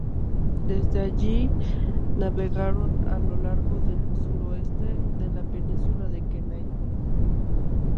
Desde allí navegaron a lo largo del suroeste de la península de Kenai.